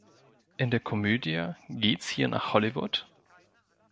In der Komödie "Geht's hier nach Hollywood?